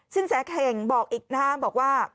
แสเข่งบอกอีกนะฮะบอกว่า